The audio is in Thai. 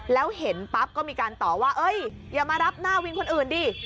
แล้วเห็นปั๊บก็มีการต่อว่าอย่ามารับหน้าวินคนอื่นดิ